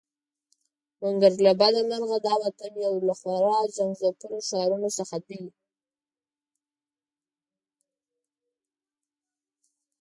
مګر له بده مرغه دا وطن یو له خورا جنګ ځپلو ښارونو څخه دی.